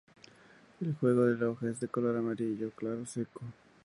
El jugo de la hoja es de color amarillo claro seco.